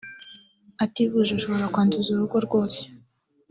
ativuje ashobora kwanduza urugo rwose